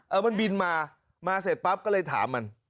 มันบินมามาเสร็จปั๊บก็เลยถามมัน